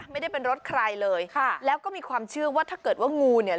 ไม่ได้เป็นรถใครเลยค่ะแล้วก็มีความเชื่อว่าถ้าเกิดว่างูเนี่ย